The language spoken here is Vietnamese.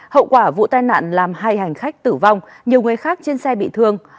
hậu quả vụ tai nạn làm hai hành khách tử vong nhiều người khác trên xe bị thương